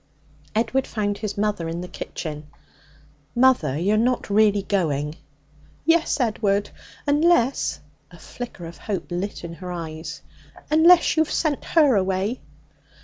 Edward found his mother in the kitchen. 'Mother, you are not really going?' 'Yes, Edward, unless' a flicker of hope lit her eyes 'unless you have sent her away.'